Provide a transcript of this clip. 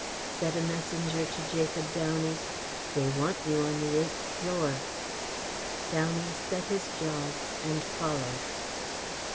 Said a messenger to Jacob Downey: "They want you on the eighth floor." Downey set his jaws and followed.